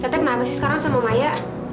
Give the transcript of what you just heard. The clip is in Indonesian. katanya kenapa sih sekarang sama maya